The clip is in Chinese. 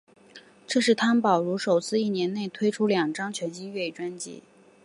这是汤宝如首次一年内推出两张全新粤语专辑。